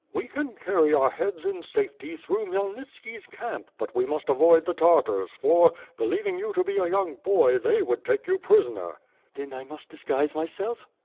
We can carry our heads in safety through Khmyelnitski's camp but we must avoid the Tartars for, believing you to be a young boy they would take you prisoner." "Then I must disguise myself?'